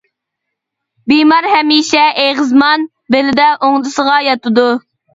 بىمار ھەمىشە ئېغىزمان، بېلىدە ئوڭدىسىغا ياتىدۇ.